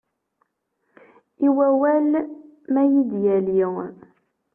I wawal ma ad iyi-d-yali.